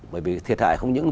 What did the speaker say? bởi vì thiệt hại không những